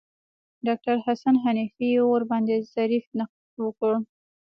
ډاکتر حسن حنفي ورباندې ظریف نقد وکړ.